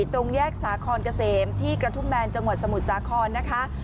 ตรงแยกสาคอนเกษมที่กระทุ่มแบนจังหวัดสมุทรสาครนะคะ